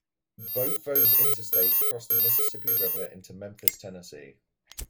Both those interstates cross the Mississippi River into Memphis, Tennessee.